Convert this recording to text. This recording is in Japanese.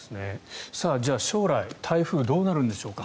じゃあ、将来台風はどうなるんでしょうか。